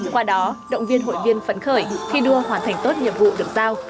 qua đó động viên hội viên phấn khởi thi đua hoàn thành tốt nhiệm vụ được giao